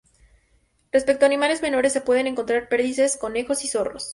Respecto a animales menores se pueden encontrar perdices, conejos y zorros.